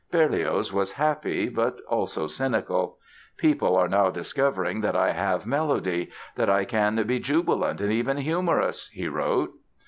Berlioz was happy, but also cynical. "People are now discovering that I have melody, that I can be jubilant and even humorous!" he wrote.